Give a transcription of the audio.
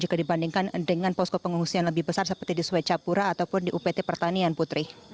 jika dibandingkan dengan posko pengungsian lebih besar seperti di swecapura ataupun di upt pertanian putri